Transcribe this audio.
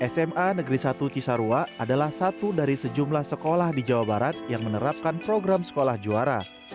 sma negeri satu cisarua adalah satu dari sejumlah sekolah di jawa barat yang menerapkan program sekolah juara